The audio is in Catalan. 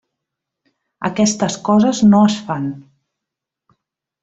Aquestes coses no es fan.